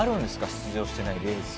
出場してないレースは。